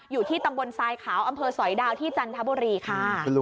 อยู่ที่ตำบลทรายขาวอำเภอสอยดาวที่จันทบุรีค่ะ